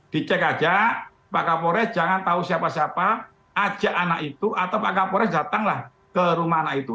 dicek aja pak kapolres jangan tahu siapa siapa ajak anak itu atau pak kapolres datanglah ke rumah anak itu